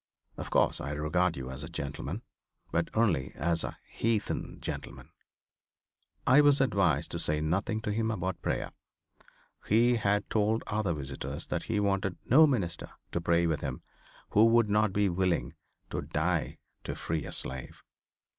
Of course I regard you as a gentleman, but only as a =heathen= gentleman." I was advised to say nothing to him about prayer. He had told other visitors that he wanted no minister to pray with him who would not be willing to die to free a slave.